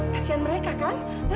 kasian mereka kan